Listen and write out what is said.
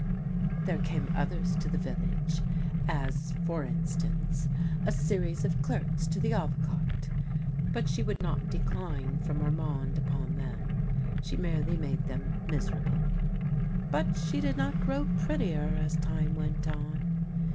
There came others to the village, as, for instance, a series of clerks to the Avocat; but she would not decline from Armand upon them. She merely made them miser able. But she did not grow prettier as time went on.